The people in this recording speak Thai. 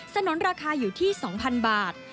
ถนนราคาอยู่ที่๒๐๐๐บาท